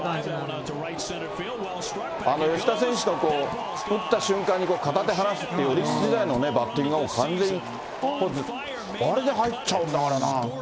吉田選手の、打った瞬間に片手放すっていう、オリックス時代のバッティングはもう完全に、あれで入っちゃうんだからな。